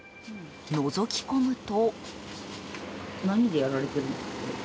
のぞき込むと。